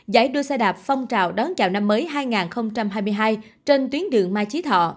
giải đua xe đạp phong trào đón chào năm mới hai nghìn hai mươi hai